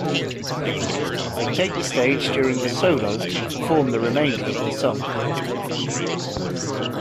They take the stage during the solo and perform the remainder of the song.